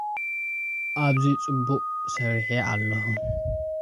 ኣብዚ ጽቡቕ ሰሪሐዮ ኣለኹ።